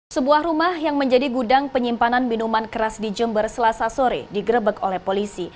sebuah rumah yang menjadi gudang penyimpanan minuman keras di jember selasa sore digerebek oleh polisi